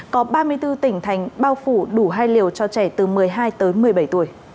có ba mươi bốn tỉnh thành bao phủ đủ hai liều cho trẻ từ một mươi hai tới một mươi bảy tuổi